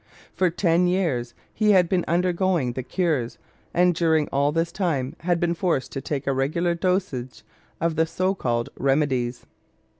For ten years he had been undergoing the cures, and during all this time had been forced to take a regular dosage of the so called remedies.